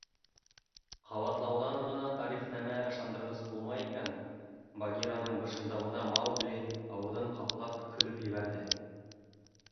— Ҡабатлауҙан ғына тарихнамә ышандырғыс булмай икән, — Багираның бышылдауына Маугли, ауыҙын ҡаплап, көлөп ебәрҙе.